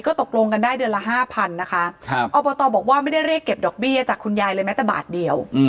ตกลงกันได้เดือนละ๕๐๐นะคะอบตบอกว่าไม่ได้เรียกเก็บดอกเบี้ยจากคุณยายเลยแม้แต่บาทเดียว